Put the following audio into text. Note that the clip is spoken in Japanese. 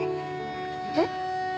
えっ？